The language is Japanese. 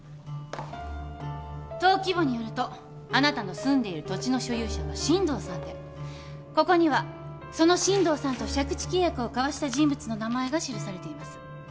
登記簿によるとあなたの住んでいる土地の所有者は進藤さんでここにはその進藤さんと借地契約を交わした人物の名前が記されています。